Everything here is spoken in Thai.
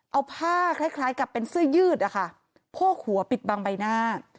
เอาผ้าคล้ายกับเป็นเสื้อยืดนะคะโพกหัวปิดบังใบหน้า